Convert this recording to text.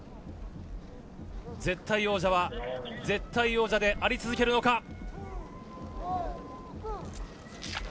絶対王者は絶対王者であり続けるのか。